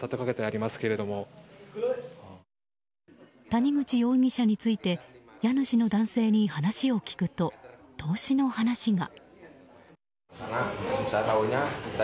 谷口容疑者について家主の男性に話を聞くと投資の話が。